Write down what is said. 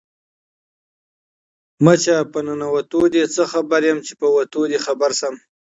ـ مچه په نتو دې څه خبر يم ،چې په وتو دې خبر شم.